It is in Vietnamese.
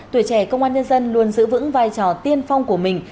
tuổi trẻ công an nhân dân luôn giữ vững vai trò tiên phong của mình